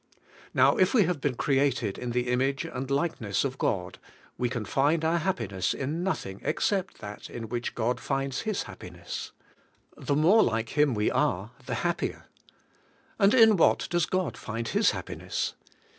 Now, if we have been created in the image and likeness of God, we can find our happiness in nothing except that in which God finds His happiness. The more like Him we are the happier. And in what does God find His happiness?